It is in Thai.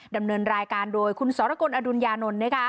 ดำเนินรายการโดยคุณสรกลอดุญญานนท์